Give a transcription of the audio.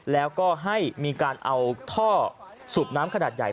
แล้วก็ให้มีการเอาท่อสูบน้ำขนาดใหญ่